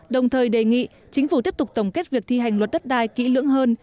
đồng thời đề nghị chính phủ tiếp tục tổng kết việc thi hành luật đất đai kỹ lưỡng hơn